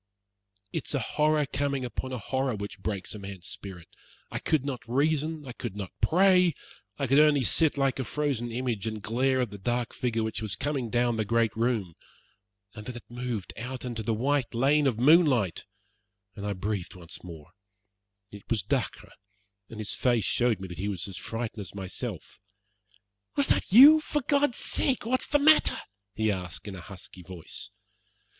It is a horror coming upon a horror which breaks a man's spirit. I could not reason, I could not pray; I could only sit like a frozen image, and glare at the dark figure which was coming down the great room. And then it moved out into the white lane of moonlight, and I breathed once more. It was Dacre, and his face showed that he was as frightened as myself. "Was that you? For God's sake what's the matter?" he asked in a husky voice.